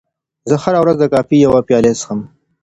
زه هره ورځ د کافي یوه پیاله څښم.